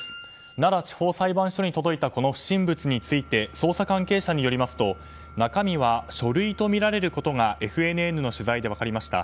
奈良地方裁判所に届いたこの不審物について捜査関係者によりますと中身は書類とみられることがＦＮＮの取材で分かりました。